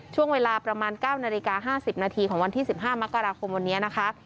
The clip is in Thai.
ช่วงเวลาประมาณ๙นาฬิกา๕๐นาทีของวันที่๑๕มกราคมวันนี้นะคะ